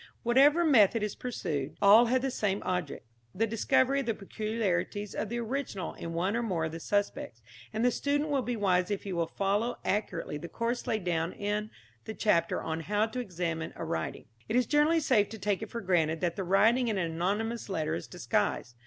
Whatever method is pursued, all have the same object the discovery of the peculiarities of the original in one or more of the suspects, and the student will be wise if he follow accurately the course laid down in the chapter on "How to Examine a Writing." It is generally safe to take it for granted that the writing in an anonymous letter is disguised.